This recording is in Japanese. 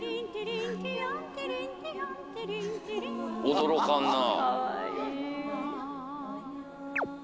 驚かんなぁ。